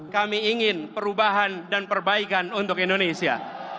kami ingin perubahan dan perbaikan untuk indonesia